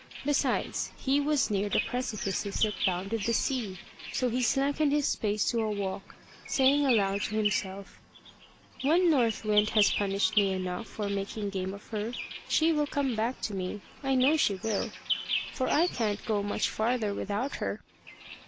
Besides, he was near the precipices that bounded the sea, so he slackened his pace to a walk, saying aloud to himself: "When North Wind has punished me enough for making game of her, she will come back to me; I know she will, for I can't go much farther without her."